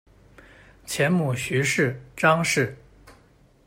前母徐氏；张氏。